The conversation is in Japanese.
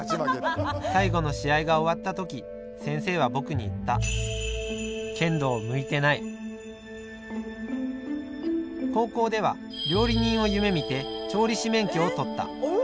最後の試合が終わった時先生は僕に言った高校では料理人を夢みて調理師免許を取った。